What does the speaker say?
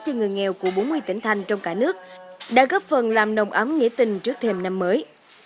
cho người nghèo của bốn mươi tỉnh thành trong cả nước đã góp phần làm nồng ấm nghĩa tình trước thêm năm mới